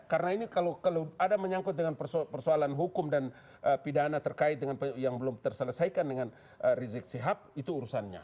karena ini kalau ada menyangkut dengan persoalan hukum dan pidana yang belum terselesaikan dengan rizik sihab itu urusannya